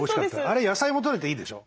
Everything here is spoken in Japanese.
あれ野菜もとれていいでしょ。